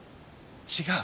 違う！